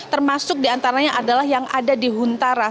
termasuk diantaranya adalah yang ada di huntara